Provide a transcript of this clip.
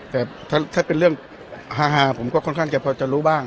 แต่ถ้าเป็นเรื่องฮาผมก็ค่อนข้างจะพอจะรู้บ้าง